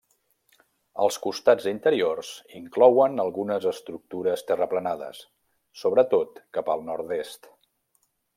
Els costats interiors inclouen algunes estructures terraplenades, sobretot cap al nord-est.